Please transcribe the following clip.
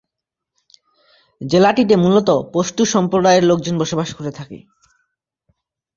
জেলাটিতে মূলত পশতু সম্প্রদায়ের লোকজন বসবাস করে থাকে।